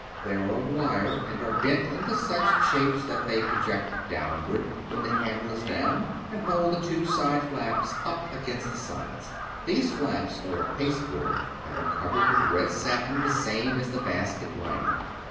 They are of wire and are bent into such shape that they project downward when the handle is down, and ' hold the two side flaps up against the sides. These flaps are of pasteboard, and are covered with red satin the same as the basket lining.